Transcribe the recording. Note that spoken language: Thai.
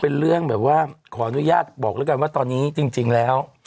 เป็นเรื่องแบบว่าขออนุญาตบอกแล้วกันว่าตอนนี้จริงแล้ว